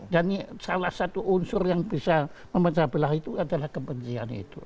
dan salah satu unsur yang bisa mempercabalah itu adalah kebencian itu